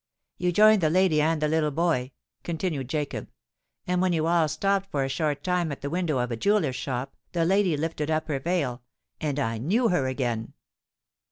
"You joined the lady and the little boy," continued Jacob; "and when you all stopped for a short time at the window of a jeweller's shop, the lady lifted up her veil—and I knew her again."